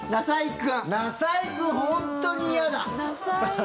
なさいくん本当に嫌だ。